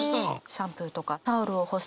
シャンプーとかタオルを干したり。